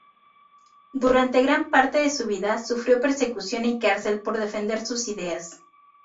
Durante gran parte de su vida sufrió persecución y cárcel por defender sus ideas.